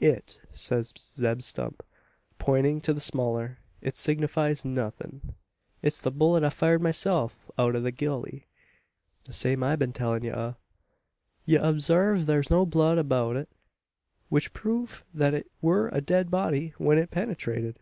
"It," says Zeb Stump, pointing to the smaller, "it signifies nothin'. It's the bullet I fired myself out o' the gully; the same I've ben tellin' ye o'. Ye obsarve thar's no blood abeout it: which prove thet it wur a dead body when it penetrated.